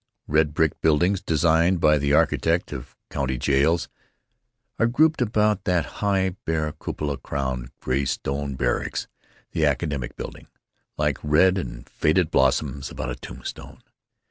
Red brick buildings, designed by the architect of county jails, are grouped about that high, bare, cupola crowned gray stone barracks, the Academic Building, like red and faded blossoms about a tombstone.